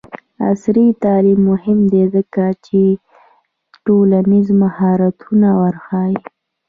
عصري تعلیم مهم دی ځکه چې ټولنیز مهارتونه ورښيي.